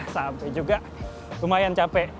sampai juga lumayan capek